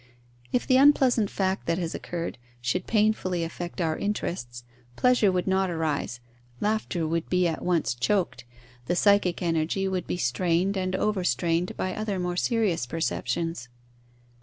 If the unpleasant fact that has occurred should painfully affect our interests, pleasure would not arise, laughter would be at once choked, the psychic energy would be strained and overstrained by other more serious perceptions.